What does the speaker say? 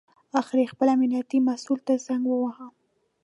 اخر یې خپل امنیتي مسوول ته زنګ وواهه.